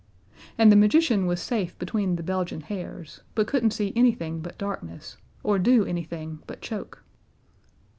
And the magician was safe between the Belgian hares, and couldn't see anything but darkness, or do anything but choke.